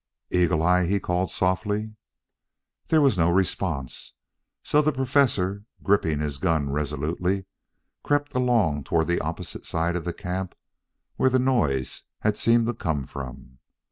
"Eagle eye," he called softly. There was no response, so the Professor, gripping his gun resolutely, crept along toward the opposite side of the camp where the noise had seemed to come from.